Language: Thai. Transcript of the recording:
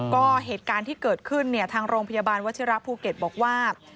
ก็เหตุการณ์ที่เกิดขึ้นเนี่ยทางโรงพยาบาลวัชิระภูเก็ตบอกว่า